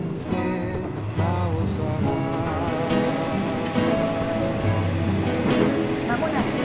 「まもなく」。